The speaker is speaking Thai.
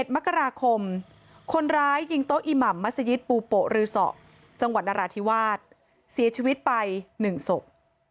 มกราคมคนร้ายยิงโต๊ะอิหม่ำมัศยิตปูโปะรือสอจังหวัดนราธิวาสเสียชีวิตไป๑ศพ